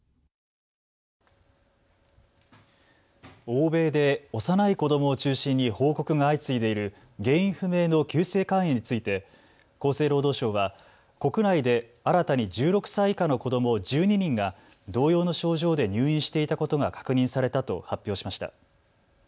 欧米で幼い子どもを中心に報告が相次いでいる原因不明の急性肝炎について厚生労働省は国内で新たに１６歳以下の子ども１２人が同様の症状で入院していたことが確認されたと発表しました。